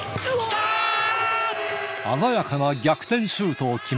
鮮やかな逆転シュートを決め